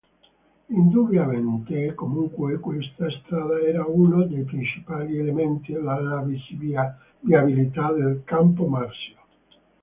Indubbiamente, comunque, questa strada era uno dei principali elementi della viabilità del Campo Marzio.